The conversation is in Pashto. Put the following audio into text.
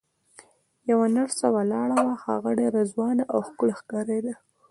یوه نرسه ولاړه وه، هغه ډېره ځوانه او ښکلې ښکارېده.